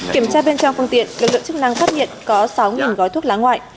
kiểm tra bên trong phương tiện lực lượng chức năng phát hiện có sáu gói thuốc lá ngoại